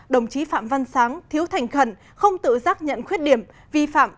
đồng chí phạm văn sáng thiếu thành khẩn không tự giác nhận khuyết điểm vi phạm